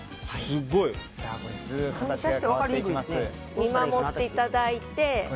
見守っていただいて。